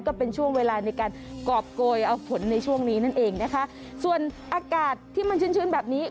ก็เป็นช่วงเวลาในการกรอบโกยเอาฝนในช่วงนี้นั่นเองนะคะส่วนอากาศที่มันชื้นชื้นแบบนี้